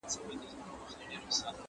¬ چي لو کونه وينې، ځيني تښته!